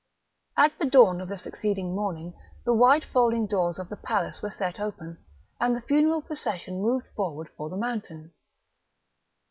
At the dawn of the succeeding morning the wide folding doors of the palace were set open, and the funeral procession moved forward for the mountain.